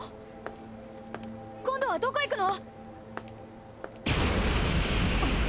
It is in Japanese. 今度はどこ行くの？